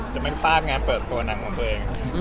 จะไม่พลาดงานเปิดตัวหนังของตัวเอง